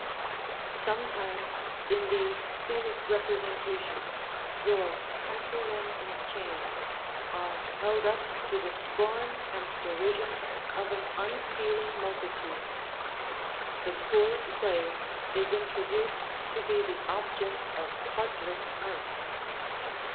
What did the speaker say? Sometimes in these scenic representations, your "countrymen in chains" are held up to the scorn and derision of an unfeeling multitude; the poor slave is introduced to be the object of heartless mirth.